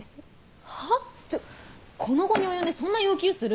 ちょこの期に及んでそんな要求する？